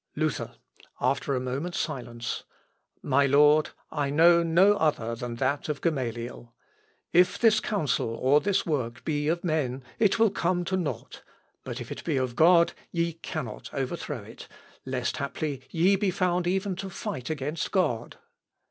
Luther, (after a moment's silence). "My Lord, I know no other than that of Gamaliel: '_If this counsel or this work be of men it will come to nought, but if it be of God ye cannot overthrow it, lest haply ye be found even to fight against God.